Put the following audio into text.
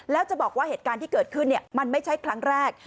แล้วจะบอกว่าเหตุการณ์ที่เกิดขึ้นมันไม่ใช่ครั้งแรก